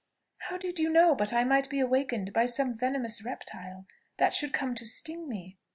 How did you know but I might be awakened by some venomous reptile that should come to sting me?"